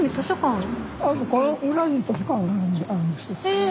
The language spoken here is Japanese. へえ。